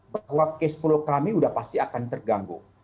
bahwa k sepuluh kami sudah pasti akan terganggu